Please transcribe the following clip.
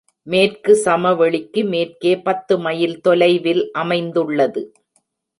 மேற்கு சமவெளிக்கு மேற்கே பத்து மைல் தொலைவில் அமைந்துள்ளது.